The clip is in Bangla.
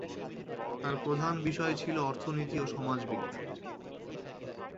তার প্রধান বিষয় ছিল অর্থনীতি ও সমাজবিজ্ঞান।